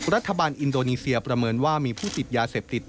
รัฐบาลอินโดนีเซียประเมินว่ามีผู้ติดยาเสพติด